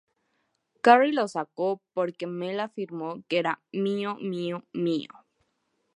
Carrie lo sacó porque Mel afirmó que era "mío, mío, mío".